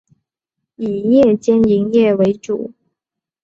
以夜间营业为主。